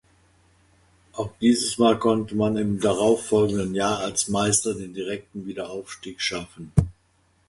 Auch dieses Mal konnte man im darauffolgenden Jahr als Meister den direkten Wiederaufstieg schaffen.